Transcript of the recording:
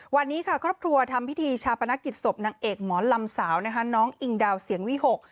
วันนี้ค่ะครอบครัวทำพิธีชาปนกิจศพนางเอกหมอลำสาวนะคะน้องอิงดาวเสียงวิหก